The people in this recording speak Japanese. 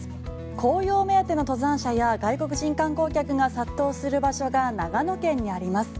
紅葉目当ての登山者や外国人観光客が殺到する場所が長野県にあります。